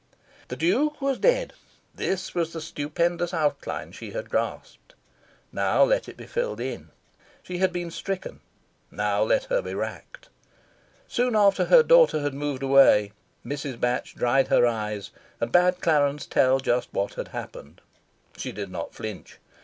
The Duke was dead. This was the stupendous outline she had grasped: now let it be filled in. She had been stricken: now let her be racked. Soon after her daughter had moved away, Mrs. Batch dried her eyes, and bade Clarence tell just what had happened. She did not flinch.